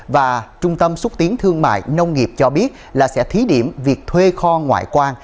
và trung tâm xúc tiến thương mại nông nghiệp cho biết là sẽ thí điểm việc thuê kho ngoại quan